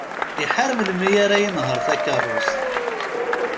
Iḥar mmi melmi ara yenher takerrust.